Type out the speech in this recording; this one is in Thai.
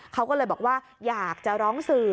เขาก็เลยบอกว่าอยากจะร้องสื่อ